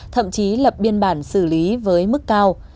thậm chí lập biên bản xử lý với mức cao